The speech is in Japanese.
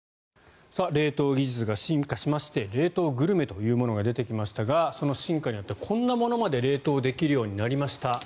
冷凍技術が進化しまして冷凍グルメというものが出てきましたがその進化によってこんなものまで冷凍できるようになりました。